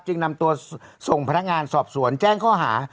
นำตัวส่งพนักงานสอบสวนแจ้งข้อหา